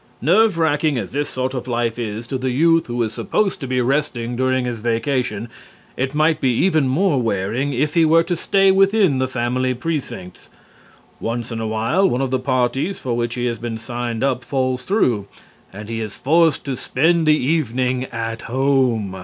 Nerve racking as this sort of life is to the youth who is supposed to be resting during his vacation, it might be even more wearing if he were to stay within the Family precincts. Once in a while one of the parties for which he has been signed up falls through, and he is forced to spend the evening at home.